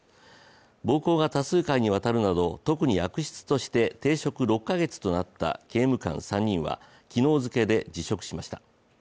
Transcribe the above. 暴行が多数回にわたるなど特に悪質として停職６か月となった刑務官３人は昨日付けで辞職しました。